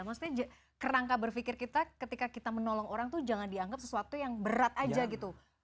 maksudnya kerangka berpikir kita ketika kita menolong orang itu jangan dianggap sesuatu yang berat aja gitu